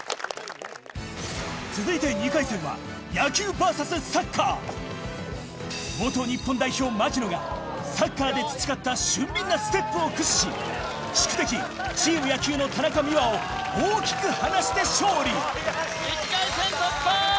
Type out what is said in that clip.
続いて２回戦は野球ｖｓサッカー日本代表槙野がサッカーで培った俊敏なステップを駆使し宿敵チーム野球の田中美羽を大きく離して勝利１回戦突破！